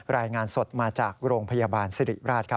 รายงานสดมาจากโรงพยาบาลสิริราชครับ